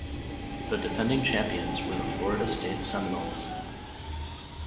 The defending champions were the Florida State Seminoles.